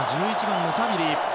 １１番のサビリ。